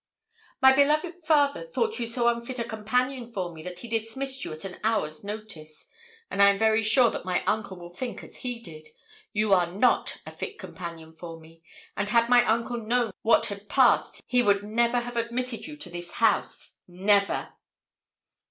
'My beloved father thought you so unfit a companion for me that he dismissed you at an hour's notice, and I am very sure that my uncle will think as he did; you are not a fit companion for me, and had my uncle known what had passed he would never have admitted you to this house never!'